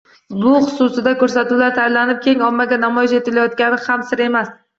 Bu xususida ko`rsatuvlar tayyorlanib, keng ommaga namoyish etilayotgani ham sir emas